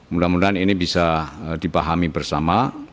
mudah mudahan ini bisa dipahami bersama